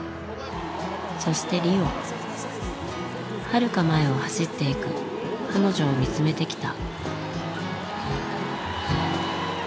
はるか前を走っていく彼女を見つめてきた。